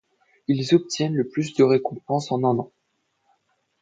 Ils obtiennent le plus de récompenses en un an.